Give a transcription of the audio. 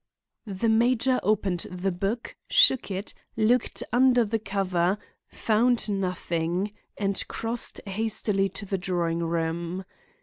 The major opened the book, shook it, looked under the cover, found nothing, and crossed hastily to the drawing room.